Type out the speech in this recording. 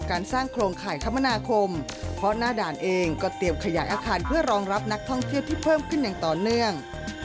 ขยายอาคารเพื่อรองรับนักท่องเที่ยวที่เพิ่มขึ้นอย่างต่อเนื่อง